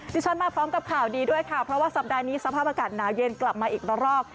ที่ฉันมาพร้อมกับข่าวดีด้วยค่ะเพราะว่าสัปดาห์นี้สภาพอากาศหนาวเย็นกลับมาอีกละรอก